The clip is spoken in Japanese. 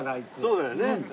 そうだよね。